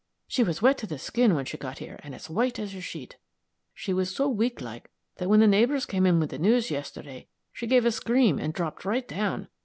She was wet to the skin when she got here and as white as a sheet. She was so weak like that when the neighbors came in with the news yesterday, she gave a scream and dropped right down.